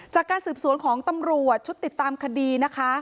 จากการสืบสวนของตำรวจชุดติดตามคดีนะคะ